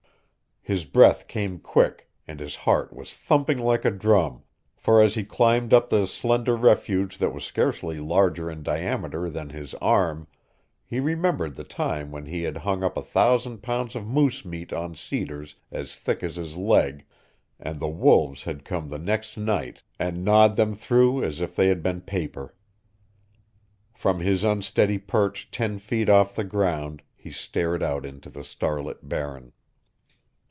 His breath came quick, and his heart was thumping like a drum, for as he climbed up the slender refuge that was scarcely larger in diameter than his arm he remembered the time when he had hung up a thousand pounds of moose meat on cedars as thick as his leg, and the wolves had come the next night and gnawed them through as if they had been paper. From his unsteady perch ten feet off the ground he stared out into the starlit Barren.